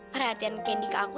perhatian candy ke aku